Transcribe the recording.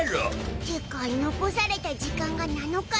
ってか残された時間が７日って。